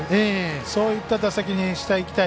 そういった打席にしていきたい。